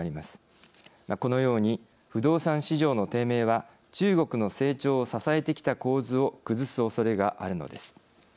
このように不動産市場の低迷は中国の成長を支えてきた構図を崩すおそれがあるのです。